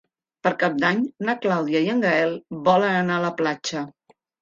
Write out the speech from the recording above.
Per Cap d'Any na Clàudia i en Gaël volen anar a la platja.